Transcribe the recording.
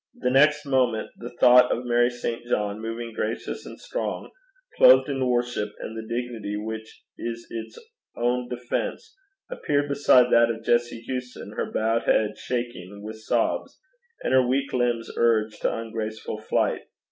The next moment the eidolon of Mary St. John, moving gracious and strong, clothed in worship and the dignity which is its own defence, appeared beside that of Jessie Hewson, her bowed head shaken with sobs, and her weak limbs urged to ungraceful flight.